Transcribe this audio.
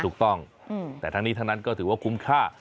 ถูกต้องแต่ทั้งนี้ทั้งนั้นก็ถือว่าคุ้มค่า